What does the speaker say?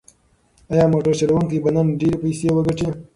ایا موټر چلونکی به نن ډېرې پیسې وګټي؟